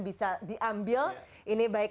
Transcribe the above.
bisa diambil ini baik